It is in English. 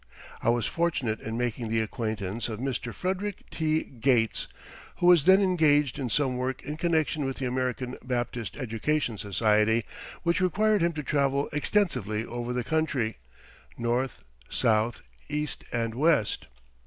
I was fortunate in making the acquaintance of Mr. Frederick T. Gates, who was then engaged in some work in connection with the American Baptist Education Society, which required him to travel extensively over the country, north, south, east, and west.